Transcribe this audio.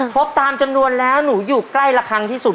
ครบตามจำนวนแล้วหนูอยู่ใกล้ละครั้งที่สุด